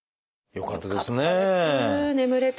よかったです眠れてね。